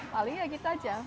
paling ya gitu aja